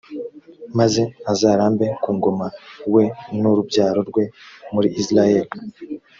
maze azarambe ku ngoma, we n’urubyaro rwe, muri israheli.